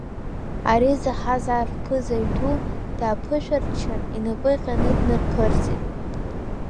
Ари заҳаз ар рԥызаҩ ду, дааԥышәарччан, инапы ҟьаны днарԥырҵит.